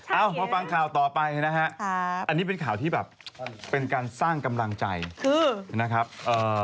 เอามาฟังข่าวต่อไปนะฮะอันนี้เป็นข่าวที่แบบเป็นการสร้างกำลังใจคือนะครับเอ่อ